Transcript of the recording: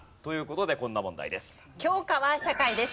教科は社会です。